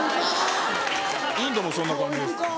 インドもそんな感じです。